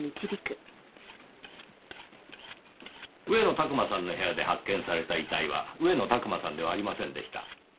上野拓馬さんの部屋で発見された遺体は上野拓馬さんではありませんでした。